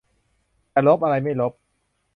แต่ลบอะไรไม่ลบ